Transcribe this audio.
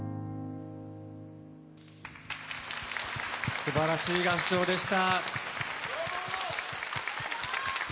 素晴らしい合唱でした。